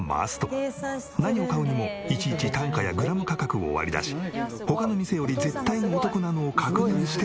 何を買うにもいちいち単価やグラム価格を割り出し他の店より絶対お得なのを確認して購入。